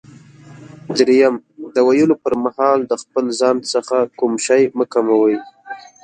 دریم: د ویلو پر مهال د خپل ځان څخه کوم شی مه کموئ.